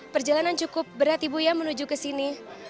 perjalanan cukup berat ibu ya menuju ke sini